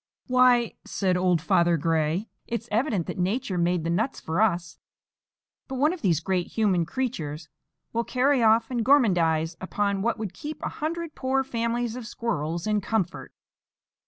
"Why!" said old Father Gray, "it's evident that Nature made the nuts for us; but one of these great human creatures will carry off and gormandize upon what would keep a hundred poor families of squirrels in comfort."